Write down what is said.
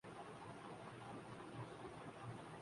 پی C B نے قومی کھلاڑیوں کیلئے اپنے خزانے کا منہ کھول دیا